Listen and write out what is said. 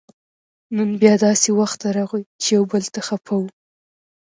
نن بیا داسې وخت راغی چې یو بل ته خپه وو